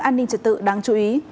an ninh trật tự đáng chú ý